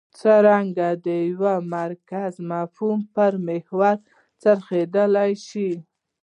څرنګه د یوه مرکزي مفهوم پر محور څرخېدای شي.